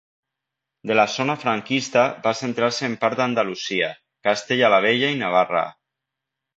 De la zona franquista, va centrar-se en part d'Andalusia, Castella la Vella i Navarra.